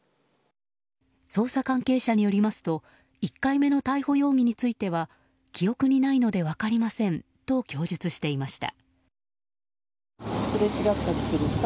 捜査関係者によりますと１回目の逮捕容疑については記憶にないので分かりませんと供述していました。